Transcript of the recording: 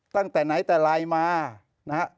ตั้งแต่ไหนแต่ไรมานะฮะ